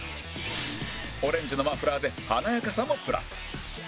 オレンジのマフラーで華やかさもプラス